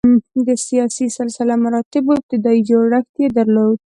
د سیاسي سلسله مراتبو ابتدايي جوړښت یې درلود.